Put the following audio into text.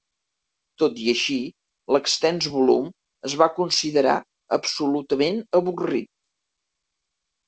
Tot i així, l'extens volum es va considerar absolutament avorrit.